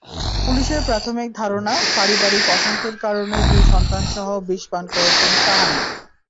পুলিশের প্রাথমিক ধারণা, পারিবারিক অশান্তির কারণে দুই সন্তানসহ বিষ পান করেছেন শাহানা।